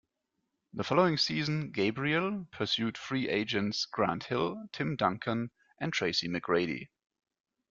The following season, Gabriel, pursued free agents Grant Hill, Tim Duncan, and Tracy McGrady.